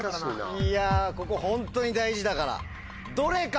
いやここホントに大事だから。